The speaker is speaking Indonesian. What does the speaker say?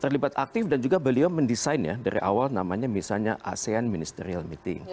terlibat aktif dan juga beliau mendesain ya dari awal namanya misalnya asean ministerial meeting